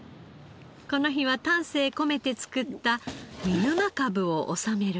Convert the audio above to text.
この日は丹精込めて作った見沼かぶを納める日。